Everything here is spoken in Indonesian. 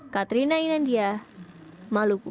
katrina inandia maluku